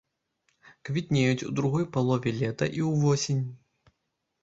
Квітнеюць ў другой палове лета і ўвосень.